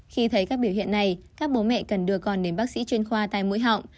khi thấy các biểu hiện này các bố mẹ cần đưa con đến bác sĩ chuyên khoa tai mũi họng